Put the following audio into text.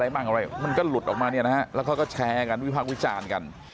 มันก็ลุดออกมาแล้วก็แชร์กันวิภาควิชานกัน